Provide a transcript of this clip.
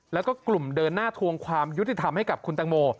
แล้วก็กลุ่มเดินหน้าทวงความยุติธรรมให้กับคุณตังโม